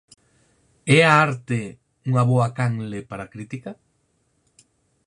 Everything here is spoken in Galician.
É a arte unha boa canle para a crítica?